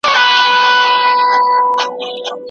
زړه ماتول لویه ګناه ده.